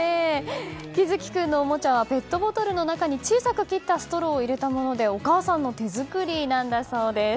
葵月君のおもちゃはペットボトルの中に小さく切ったストローを入れたものでお母さんの手作りなんだそうです。